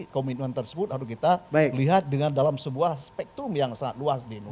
komitmen tersebut harus kita lihat dengan dalam sebuah spektrum yang sangat luas di indonesia